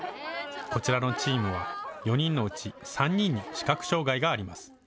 こちらのチームは４人のうち３人に視覚障害があります。